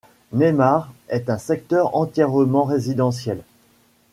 Neimar est un secteur entièrement résidentiel.